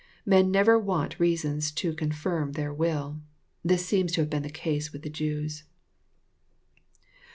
Men never want reasons to confirm their will. This seems to have been the case with the Jews.